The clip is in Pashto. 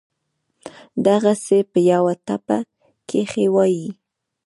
دغسې پۀ يوه ټپه کښې وائي: